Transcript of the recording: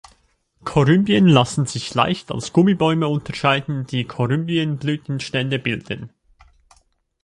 Corymbien lassen sich leicht als „Gummibäume“ unterscheiden, die Corymbenblütenstände bilden.